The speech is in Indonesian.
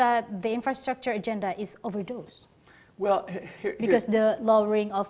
agenda infrastruktur ini terlalu berkurangan